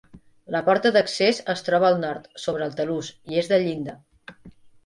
La porta d'accés es troba al nord, sobre el talús, i és de llinda.